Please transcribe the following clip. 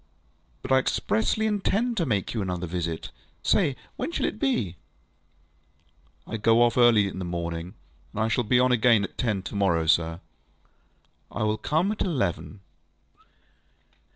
ŌĆØ ŌĆ£But I expressly intend to make you another visit. Say, when shall it be? ŌĆØ ŌĆ£I go off early in the morning, and I shall be on again at ten to morrow night, sir. ŌĆØ ŌĆ£I will come at eleven.